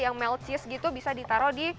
yang melt cheese gitu bisa ditaruh di